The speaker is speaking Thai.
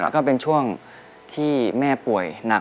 ก็เป็นช่วงที่แม่ป่วยหนัก